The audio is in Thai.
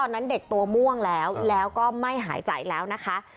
น้ำคลามนิ่งป่ะ